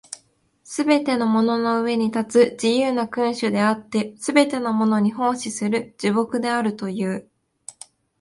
すべてのものの上に立つ自由な君主であって、すべてのものに奉仕する従僕であるという。